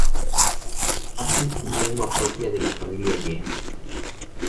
Hablan una lengua propia de la família Ye.